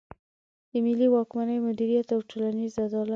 د ملي واکمني مدیریت او ټولنیز عدالت.